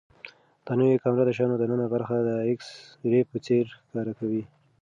دا نوې کامره د شیانو دننه برخه د ایکس ری په څېر ښکاره کوي.